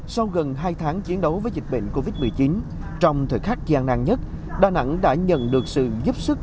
sau gần hai tháng chiến đấu với dịch bệnh covid một mươi chín trong thời khắc gian nang nhất đà nẵng đã nhận được sự giúp sức